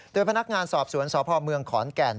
โดยพนักงานสอบสวนสพเมืองขอนแก่น